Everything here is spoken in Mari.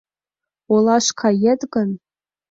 Олаш кает гын...